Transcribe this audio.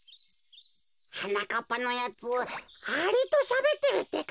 はなかっぱのやつアリとしゃべってるってか。